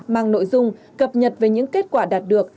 mang nội dung cập nhật về những kết quả đạt được